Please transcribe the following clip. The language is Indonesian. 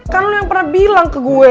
kan lu yang pernah bilang ke gue